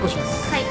はい。